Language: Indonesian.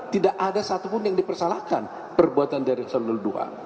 tidak ada satupun yang dipersoalkan perbuatan dari paslon no dua